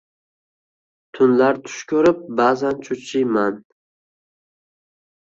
Tunlari tush ko’rib, ba’zan cho’chiyman